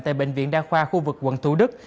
tại bệnh viện đa khoa khu vực quận thủ đức